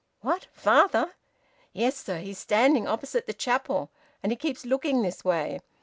"What? Father?" "Yes, sir. He's standing opposite the chapel and he keeps looking this way.